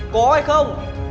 cố hay không